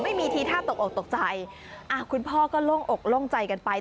ไม่มีทีท่าตกอกตกใจอ่าคุณพ่อก็โล่งอกโล่งใจกันไป